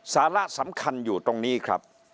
สาระสำคัญอยู่ตรงนี้ครับ